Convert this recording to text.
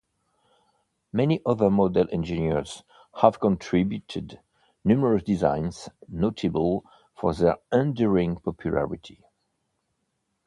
Many other model engineers have contributed numerous designs notable for their enduring popularity.